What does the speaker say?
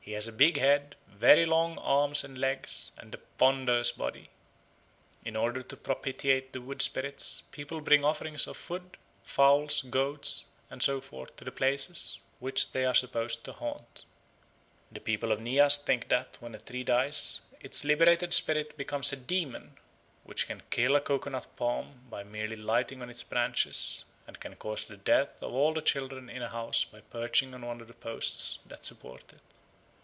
He has a big head, very long arms and legs, and a ponderous body. In order to propitiate the wood spirits people bring offerings of food, fowls, goats, and so forth to the places which they are supposed to haunt. The people of Nias think that, when a tree dies, its liberated spirit becomes a demon, which can kill a coco nut palm by merely lighting on its branches, and can cause the death of all the children in a house by perching on one of the posts that support it.